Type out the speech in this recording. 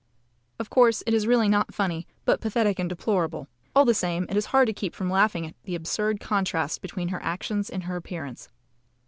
Of course, it is really not funny, but pathetic and deplorable all the same, it is hard to keep from laughing at the absurd contrast between her actions and her appearance.